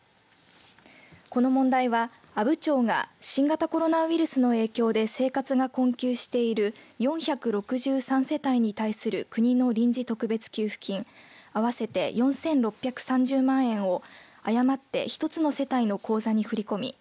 この問題は、阿武町が新型コロナウイルスの影響で生活が困窮している４６３世帯に対する国の臨時特別給付金合わせて４６３０万円を誤って１つの世帯の口座に振り込み